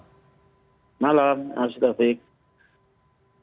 terima kasih mas uge atas waktunya berdiskusi malam hari ini bersama prime news selamat malam